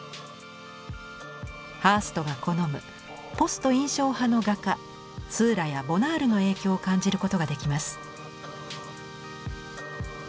ハーストが好むポスト印象派の画家スーラやボナールの影響を感じることができます。